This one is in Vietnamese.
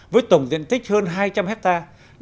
với tổng diện tích hơn hai trăm linh hectare